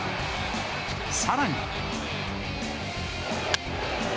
さらに。